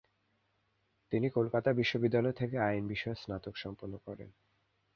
তিনি কলকাতা বিশ্ববিদ্যালয় থেকে আইন বিষয়ে স্নাতক সম্পন্ন করেন।